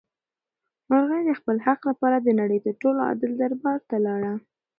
مرغۍ د خپل حق لپاره د نړۍ تر ټولو عادل دربار ته لاړه.